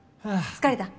疲れた。